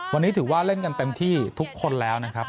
วันนี้ถือว่าเล่นกันเต็มที่ทุกคนแล้วนะครับ